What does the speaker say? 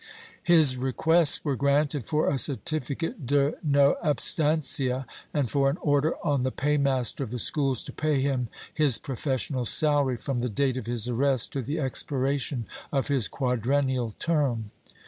His requests were granted for a certificate de no ohstancia and for an order on the paymaster of the schools to pay him his professorial salary from the date of his arrest to the expiration of his quadrennial term.